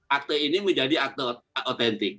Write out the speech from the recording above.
akte ini menjadi akte otentik